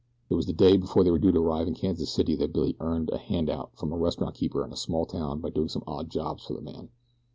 It was the day before they were due to arrive in Kansas City that Billy earned a hand out from a restaurant keeper in a small town by doing some odd jobs for the man.